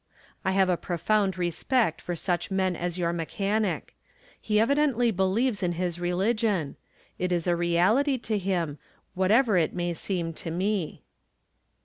I have a profound respect for such men as your mechanic. He evidently believes in his religion ; it is a re ality to him, whatever it may seem to me.